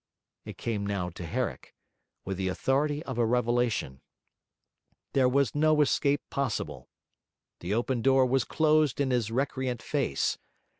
It came now to Herrick, with the authority of a revelation. There was no escape possible. The open door was closed in his recreant face.